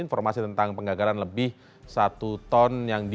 informasi tentang penggagaran lebih satu ton yang diduga sabu sabu akan terus kami mencari